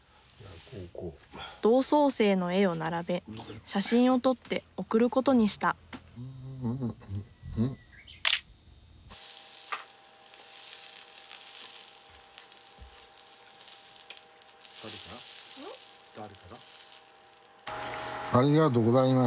同窓生の絵を並べ写真を撮って送ることにしたなんでや。